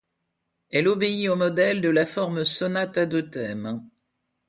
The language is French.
Elle obéit au modèle de la forme sonate à deux thèmes.